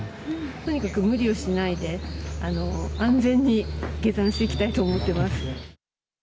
とにかく無理をしないで安全に下山していきたいと思います。